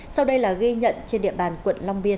sau đây là ghi nhận trên địa bàn quận long biên